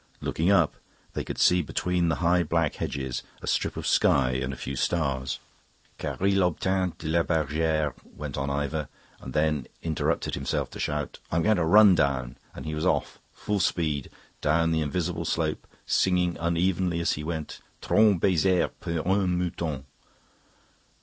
Looking up, they could see between the high black hedges a strip of sky and a few stars. "Car il obtint de la bergere..." Went on Ivor, and then interrupted himself to shout, "I'm going to run down," and he was off, full speed, down the invisible slope, singing unevenly as he went: "Trente baisers pour un mouton."